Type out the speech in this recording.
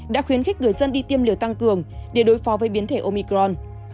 đã khuyến khích người dân đi tiêm liều tăng cường để đối phó với biến thể omicron